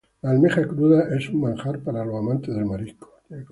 La almeja cruda es un manjar para los amantes del marisco.